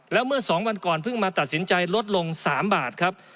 แล้วเมื่อ๒วันก่อนเพิ่งมาตัดสินใจลดลง๓บาทครับ